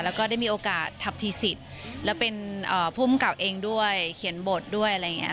แล้วก็ได้มีโอกาสทัพทีสิทธิ์และเป็นภูมิกับเองด้วยเขียนบทด้วยอะไรอย่างนี้